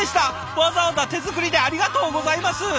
わざわざ手作りでありがとうございます！